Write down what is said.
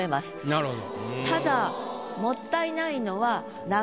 なるほど。